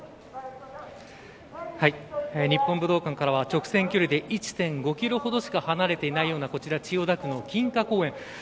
日本武道館からは直線距離で１．５ｋｍほどしか離れていないような千代田区の公園。